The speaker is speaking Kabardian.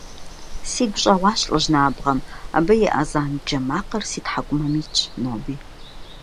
Сигу щӀэгъуащ лӀыжь набгъэм, абы и азэн джэ макъыр си тхьэкӀумэм итщ ноби…